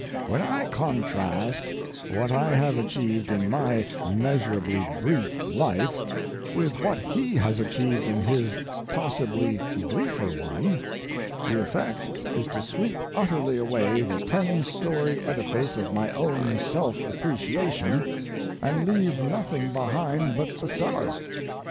When I contrast what I have achieved in my measurably brief life with what he has achieved in his possibly briefer one, the effect is to sweep utterly away the ten story edifice of my own self appreciation and leave nothing behind but the cellar.